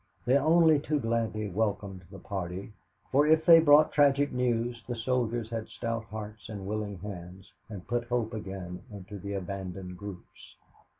They only too gladly welcomed the party, for if they brought tragic news, the soldiers had stout hearts and willing hands, and put hope again into the abandoned groups.